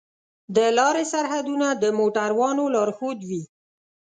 د لارې سرحدونه د موټروانو لارښود وي.